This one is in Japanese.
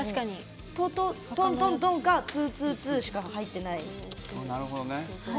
トントントンかツーツーツーしか入ってない。